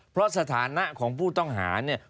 เพราะสถานะของผู้ต้องหาเนี่ย